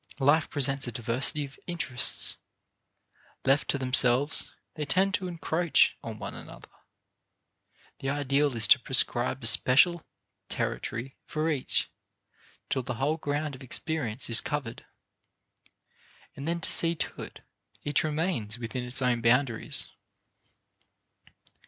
Life presents a diversity of interests. Left to themselves, they tend to encroach on one another. The ideal is to prescribe a special territory for each till the whole ground of experience is covered, and then see to it each remains within its own boundaries.